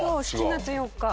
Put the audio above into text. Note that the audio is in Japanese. ７月４日。